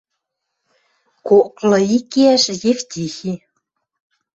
Коклы ик иӓш Евтихи